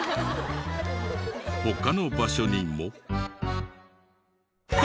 他の場所にも。